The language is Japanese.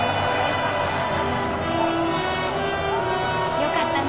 よかったね